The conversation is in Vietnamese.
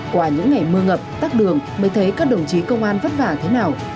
qua những ngày mưa ngập tắt đường mới thấy các đồng chí công an vất vả thế nào